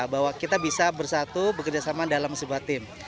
bahwa kita bisa bersatu bekerjasama dalam sebuah tim